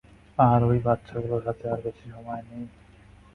আর ওই বাচ্চাগুলোর হাতে আর বেশি সময় নেই।